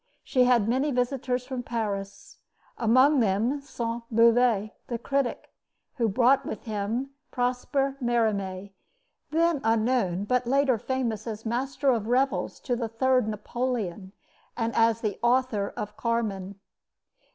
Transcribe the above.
She had many visitors from Paris, among them Sainte Beuve, the critic, who brought with him Prosper Merimee, then unknown, but later famous as master of revels to the third Napoleon and as the author of Carmen.